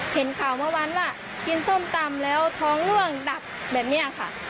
เห็นข่าวเมื่อวานว่ากินส้มตำแล้วท้องล่วงดับแบบนี้ค่ะ